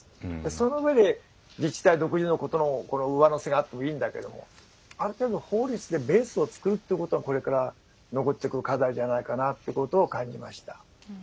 そのうえで自治体独自のこの上乗せがあってもいいんだけどもある程度法律でベースを作るということがこれから上ってくる課題じゃないかなということを感じました。